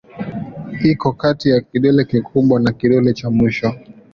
Iko kati ya kidole kikubwa na kidole cha mwisho.